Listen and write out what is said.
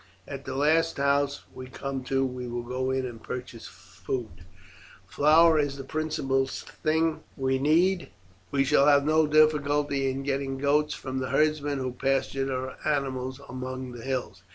At the last house we come to we will go in and purchase food. Flour is the principal thing we need; we shall have no difficulty in getting goats from the herdsmen who pasture their animals among the hills."